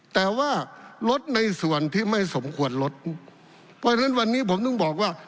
แต่ว่าลดในส่วนที่ไม่สมควรลดเพราะฉะนั้นวันนี้ผมต้องบอกว่า